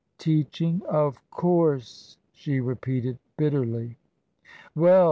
" Teaching, of course*' she repeated, bitterly. " Well !"